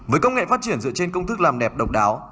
với công nghệ phát triển dựa trên công thức làm đẹp độc đáo